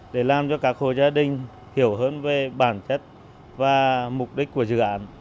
để làm cho các hồ gia đình hiểu hơn về bản chất và mục đích của dự án